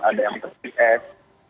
ada yang terciptek